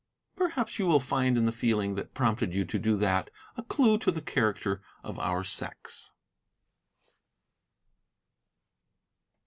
"Perhaps you will find in the feeling that prompted you to do that a clue to the character of our sex."